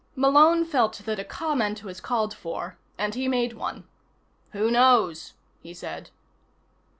Malone felt that a comment was called for, and he made one. "Who knows?" he said.